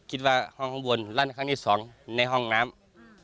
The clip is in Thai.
คิดว่าห้องข้างบนรั่นครั้งนี้สองในห้องน้ำ